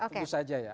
tentu saja ya